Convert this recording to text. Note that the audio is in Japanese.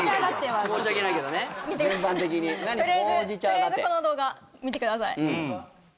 とりあえずこの動画見てください